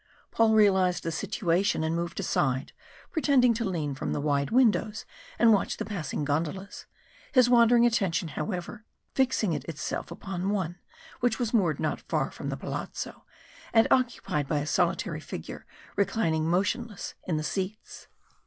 Paul realised the situation, and moved aside, pretending to lean from the wide windows and watch the passing gondolas, his wandering attention, however, fixing itself upon one which was moored not far from the palazzo, and occupied by a solitary figure reclining motionless in the seats.